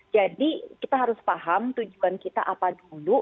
jadi kita harus paham tujuan kita apa dulu